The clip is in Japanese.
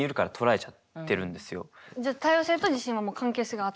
じゃあ多様性と自信はもう関係性があって。